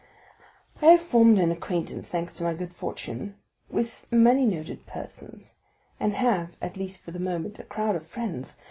"I have formed an acquaintance, thanks to my good fortune, with many noted persons, and have, at least for the moment, a crowd of friends.